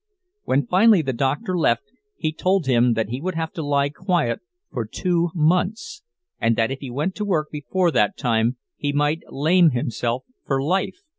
When finally the doctor left, he told him that he would have to lie quiet for two months, and that if he went to work before that time he might lame himself for life.